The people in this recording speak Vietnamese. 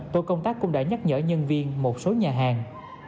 tổ công tác cũng đã nhắc nhở nhân viên một số nhà hàng